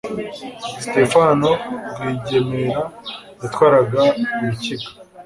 Sitefano Rwigemera yatwaraga Urukiga